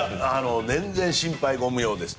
全然心配ご無用です。